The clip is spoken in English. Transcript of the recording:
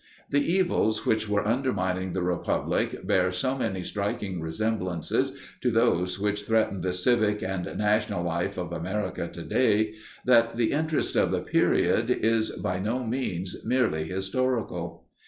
The evils which were undermining the Republic bear so many striking resemblances to those which threaten the civic and national life of America to day that the interest of the period is by no means merely historical.